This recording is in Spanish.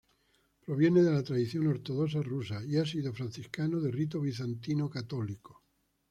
Proviene de la tradición Ortodoxa Rusa y ha sido franciscano de rito bizantino católico.